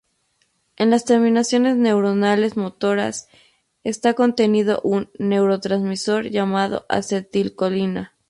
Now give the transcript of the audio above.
En las terminaciones neuronales motoras está contenido un neurotransmisor llamado acetilcolina.